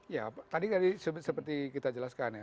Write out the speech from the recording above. ya tadi seperti kita jelaskan ya